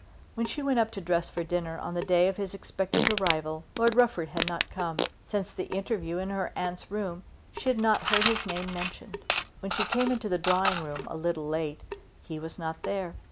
When she went up to dress for dinner on the day of his expected arrival Lord Rufford had not come. Since the interview in her aunt's room she had not heard his name mentioned. When she came into the drawing room, a little late, he was not there.